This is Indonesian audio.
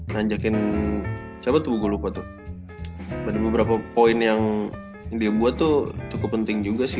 nanjakin siapa tuh buku lupa tuh ada beberapa poin yang dia buat tuh cukup penting juga sih